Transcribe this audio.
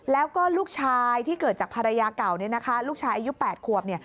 แล้วก็ลูกชายที่เกิดจากภรรยาเก่าลูกชายอายุ๘ขวบ